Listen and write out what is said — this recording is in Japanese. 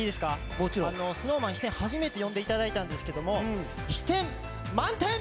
ＳｎｏｗＭａｎ飛天、初めて呼んでいただいたんですけども飛天、満点！